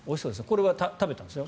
これは食べたんですね？